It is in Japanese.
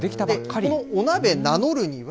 このお鍋名乗るには。